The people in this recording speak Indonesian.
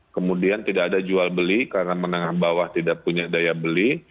kemudian tidak ada jual beli karena menengah bawah tidak punya daya beli